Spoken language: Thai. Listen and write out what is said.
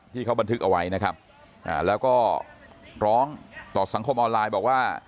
ที่เขาบันทึกเอาไว้นะครับแล้วก็ร้องต่อสังคมออนไลน์บอกว่า